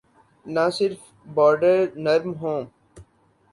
نہ صرف بارڈر نرم ہوں۔